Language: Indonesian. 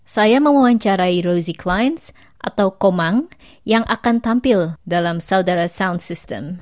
saya memuancarai rosie clines atau komang yang akan tampil dalam saudara sound system